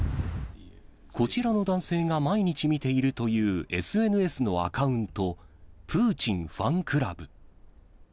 こちらの男性が毎日見ているというＳＮＳのアカウント、プーチンファンクラブ。